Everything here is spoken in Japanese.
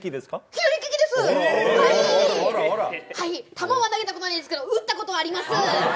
たまは投げたことないですけど撃ったことはあります。